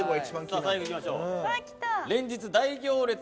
さあ最後いきましょう。